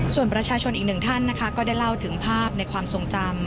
ส่วนประชาชนอีกหนึ่งท่านนะคะก็ได้เล่าถึงภาพในความทรงจำ